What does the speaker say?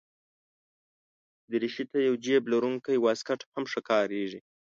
دریشي ته یو جېب لرونکی واسکټ هم ښه ښکاري.